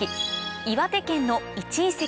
岩手県の１遺跡